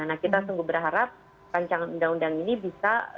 nah kita sungguh berharap rancangan undang undang ini bisa